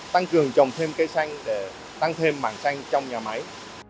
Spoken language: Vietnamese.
tăng cường trồng thêm cây xanh để tăng thêm mảng xanh trong nhà máy